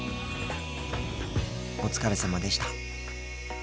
お疲れさまでした。